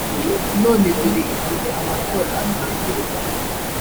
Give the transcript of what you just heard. none dore igihe amatora atangiriye